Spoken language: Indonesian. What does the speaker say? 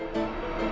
nih ini udah gampang